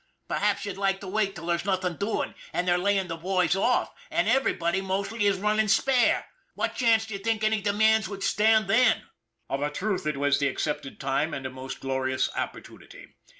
Perhaps you'd like to wait till there's nothing doing, and they're laying the boys off and everybody, mostly, is running spare! What chance d'ye think any demands would stand then?" Of a truth it was the accepted time and a most glorious opportunity.